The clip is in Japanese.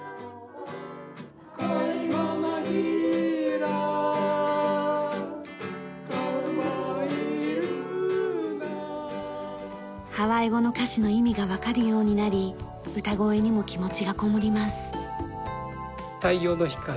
「カイマナヒラ」「カウマイイルナ」ハワイ語の歌詞の意味がわかるようになり歌声にも気持ちがこもります。